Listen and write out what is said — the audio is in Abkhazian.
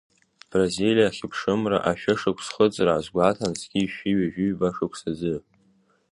Бразилиа Ахьыԥшымра ашәышықәсхыҵра азгәаҭан, зқьи жәшәи ҩажәиҩба шықәса азы.